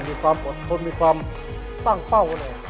มีความปลอดธนมีความตั้งเป้า